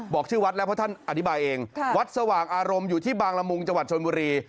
ชื่อวัดแล้วเพราะท่านอธิบายเองวัดสว่างอารมณ์อยู่ที่บางละมุงจังหวัดชนบุรี